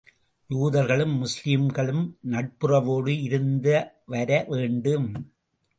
யூதர்களும், முஸ்லிம்களும் நட்புறவோடு இருந்து வர வேண்டும்.